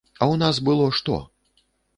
А ў нас было што?